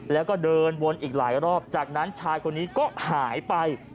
แล้วก็เดินวนอีกหลายรอบจากนั้นชายคนนี้ก็หายไป